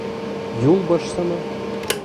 Юлбашсымы?